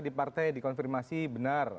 di partai dikonfirmasi benar